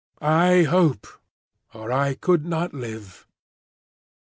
I hope, or I could not live.